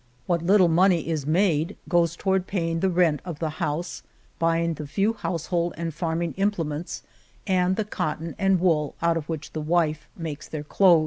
What little money is made goes toward paying for the rent of the house, buying the few household and farming implements and the cotton and wool out of which the wife makes their clothes.